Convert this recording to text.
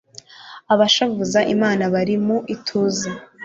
abashavuza imana bari mu ituze